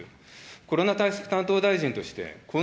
コロナ対策担当大臣として、こん